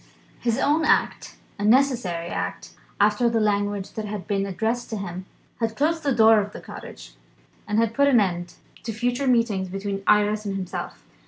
His own act (a necessary act after the language that had been addressed to him) had closed the doors of the cottage, and had put an end to future meetings between Iris and himself.